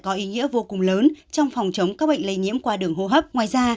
có ý nghĩa vô cùng lớn trong phòng chống các bệnh lây nhiễm qua đường hô hấp ngoài ra